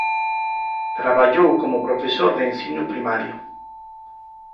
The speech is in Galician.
Traballou como profesor de ensino primario.